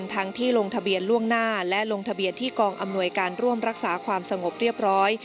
ทั้งที่ลงทะเบียนล่วงหน้าและลงทะเบียนที่กองอำนวยการร่วมรักษาความสงบเรียบร้อย